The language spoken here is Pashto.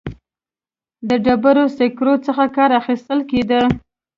د ډبرو سکرو څخه کار اخیستل کېده.